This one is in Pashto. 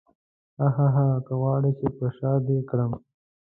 هاهاها که غواړې چې په شاه دې کړم.